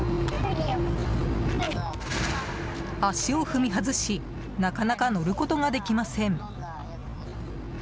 足を踏み外しなかなか乗ることができません。